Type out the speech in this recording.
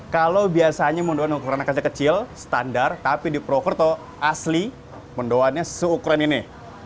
kalau biasanya mendoan ukurannya kecil standar tapi di purwokerto asli mendoan nya seukuran ini